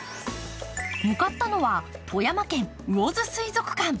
向かったのは富山県魚津水族館。